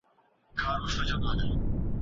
که تور شم، سپين شمه، پيری شم بيا راونه خاندې